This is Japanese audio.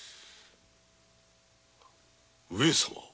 上様